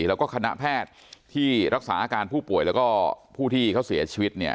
แล้วก็คณะแพทย์ที่รักษาอาการผู้ป่วยแล้วก็ผู้ที่เขาเสียชีวิตเนี่ย